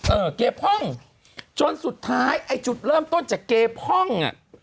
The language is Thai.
เออเกพ่องจนสุดท้ายไอ้จุดเริ่มต้นจากเกพ่องอ่ะ